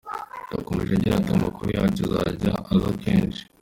Yakomeje agira ati ‘‘Amakuru yacu azajya aza kenshi.